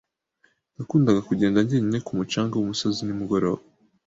Nakundaga kugenda njyenyine ku mucanga wumusozi nimugoroba.